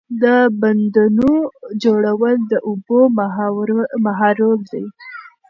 د بندونو جوړول د اوبو مهارول دي.